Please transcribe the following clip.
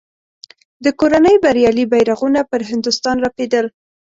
د کورنۍ بریالي بیرغونه پر هندوستان رپېدل.